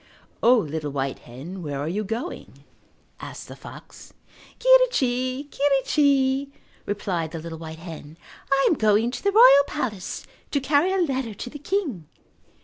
"O, little white hen, where are you going?" asked the fox. "Quirrichi, quirrichi," replied the little white hen, "I am going to the royal palace to carry a letter to the king."